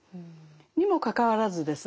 にもかかわらずですね